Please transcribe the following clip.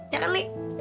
ya kan li